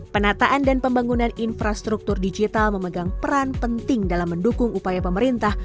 penataan dan pembangunan infrastruktur digital memegang peran penting dalam mendukung upaya pemerintah